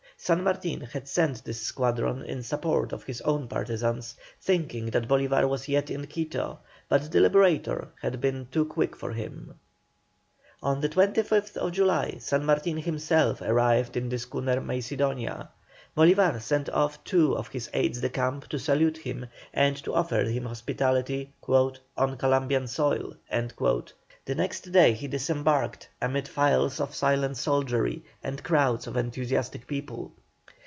San Martin had sent this squadron in support of his own partisans, thinking that Bolívar was yet in Quito, but the Liberator had been too quick for him. On the 25th July San Martin himself arrived in the schooner Macedonia. Bolívar sent off two of his aides de camp to salute him, and to offer him hospitality "on Columbian soil." The next day he disembarked amid files of silent soldiery and crowds of enthusiastic people.